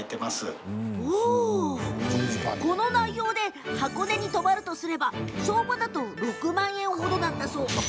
この内容で箱根に泊まるとすれば相場だと６万円程だそうです。